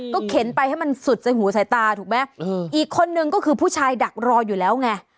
เข็นไปให้มันสุดสายหูสายตาถูกไหมอีกคนนึงก็คือผู้ชายดักรออยู่แล้วไง